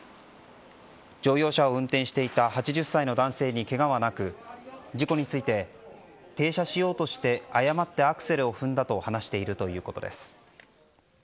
乗用車を運転していた８０歳の男性にケガはなく事故について停車しようとして誤ってアクセルを踏んだと話しているということです。